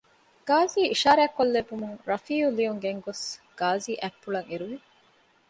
ގާޒީ އިޝާރާތްކޮށްލެއްވުމުން ރަފީއު ލިޔުން ގެންގޮސް ގާޒީ އަތްޕުޅަށް އެރުވި